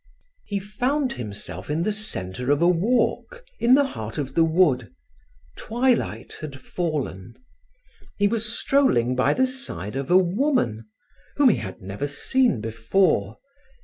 He found himself in the center of a walk, in the heart of the wood; twilight had fallen. He was strolling by the side of a woman whom he had never seen before.